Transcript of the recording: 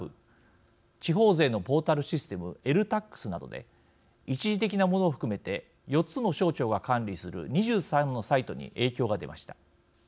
地方税のポータルシステム「ｅＬＴＡＸ」などで一時的なものを含めて４つの省庁が管理する２３のサイトに影響が出ました。